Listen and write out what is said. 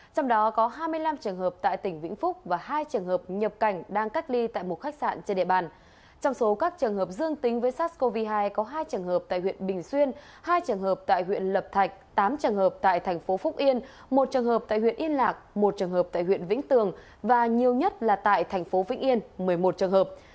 hai trường hợp tại huyện lập thạch tám trường hợp tại thành phố phúc yên một trường hợp tại huyện yên lạc một trường hợp tại huyện vĩnh tường và nhiều nhất là tại thành phố vĩnh yên một mươi một trường hợp